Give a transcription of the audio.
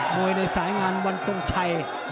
ยในสายงานวันทรงชัย